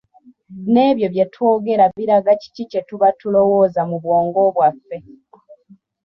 Nebyo bye twogera biraga kiki kye tuba tulowooza mu bwongo bwaffe.